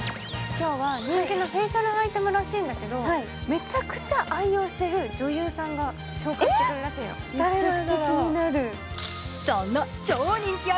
今日は人気のフェイシャルアイテムらしいんだけど、めちゃくちゃ愛用してる女優さんが紹介してくれるらしいの。